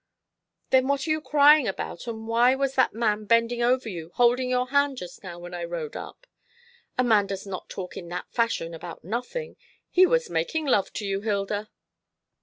"Then what are you crying about, and why was that man bending over you, holding your hand just now when I rode up? A man does not talk in that fashion about nothing. He was making love to you, Hilda."